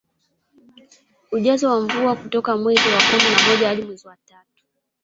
Ujazo wa mvua kutoka mwezi wa kumi na moja hadi mwezi wa tatu